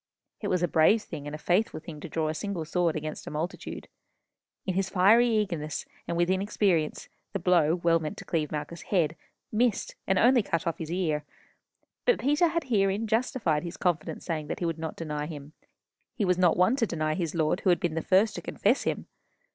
It was a brave thing and a faithful to draw a single sword against a multitude. In his fiery eagerness and inexperience, the blow, well meant to cleave Malchus's head, missed, and only cut off his ear; but Peter had herein justified his confident saying that he would not deny him. He was not one to deny his Lord who had been the first to confess him!